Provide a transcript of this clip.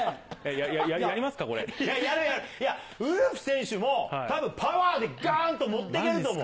やる、やる、いや、ウルフ選手もたぶんパワーでがーんと持ってけると思う。